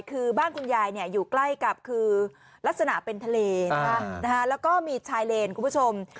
คือบ้านคุณยายอยู่ใกล้กับคือลักษณะเป็นทะเลแล้วก็มีชายเลนคุณผู้ชม